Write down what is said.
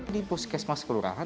di poskesmas kelurahan